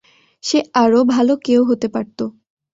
সে আরও ভালো কেউ হতে পারত।